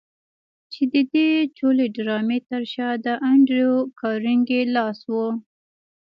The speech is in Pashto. چې د دې ټولې ډرامې تر شا د انډريو کارنګي لاس و.